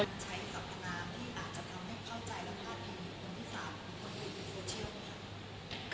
ใช้ศัพท์ธนาที่อาจจะทำให้เข้าใจและพลาดเพียงคนที่สามารถปรับเปลี่ยนโซเชียลค่ะ